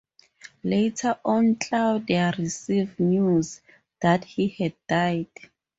Later on, Claudia receives news that he has died.